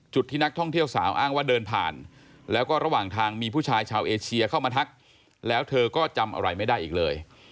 ที่นักท่องเที่ยวสาวอ้างว่าเดินผ่านแล้วก็ระหว่างทางมีผู้ชายชาวเอเชียเข้ามาทักแล้วเธอก็จำอะไรไม่ได้อีกเลย